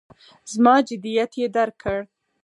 زما جدیت یې درک کړ.